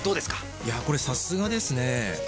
いやこれさすがですね